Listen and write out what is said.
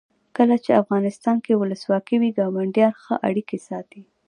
کله چې افغانستان کې ولسواکي وي ګاونډیان ښه اړیکې ساتي.